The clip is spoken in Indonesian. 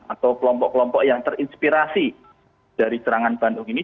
atau kelompok kelompok yang terinspirasi dari serangan bandung ini